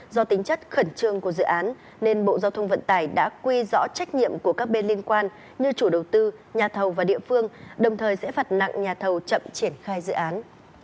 do tính chất khẩn trương của dự án nên bộ giao thông vận tải đã quy rõ trách nhiệm của các bên liên quan như chủ đầu tư nhà thầu và địa phương đồng thời sẽ phạt nặng nhà thầu chậm triển khai dự án